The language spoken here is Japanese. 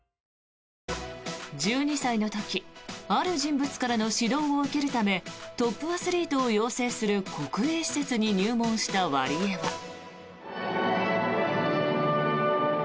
１２歳の時ある人物からの指導を受けるためトップアスリートを養成する国営施設に入門したワリエワ。